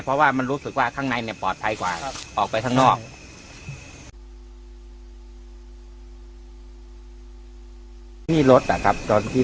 เพราะรู้สึกค่ะว่าระบุสู่ทางนี้จะปลอดภัย